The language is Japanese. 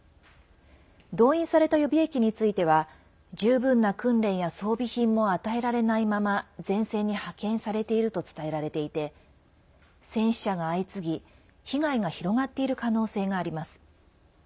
動員された予備役については十分な訓練や装備品も与えられないまま前線に派遣されていると伝えられていて戦死者が相次ぎ、被害が広がっている可能性があります。